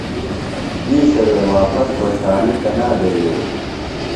دِیشہ وے واپس خُوشحالیۡ کنا بھےۡ یھیلیۡ؟